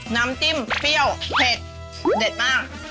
น้ำจิ้มเปรี้ยวเผ็ดเด็ดมาก